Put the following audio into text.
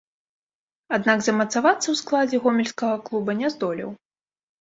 Аднак замацавацца ў складзе гомельскага клуба не здолеў.